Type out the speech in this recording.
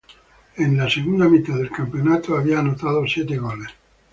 En la segunda mitad del campeonato había anotado siete goles.